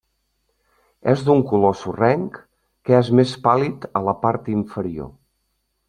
És d'un color sorrenc que és més pàl·lid a la part inferior.